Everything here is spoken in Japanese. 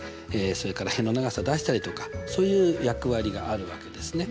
それから辺の長さ出したりとかそういう役割があるわけですね。